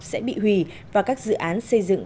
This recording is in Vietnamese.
sẽ bị hủy và các dự án xây dựng